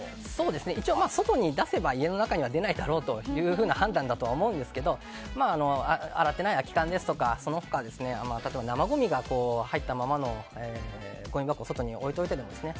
一応、外に出せば家の中には出ないだろうという判断だとは思うんですけど洗ってない空き缶や、その他例えば生ごみが入ったままのごみ箱を外に置いておいてるんですね。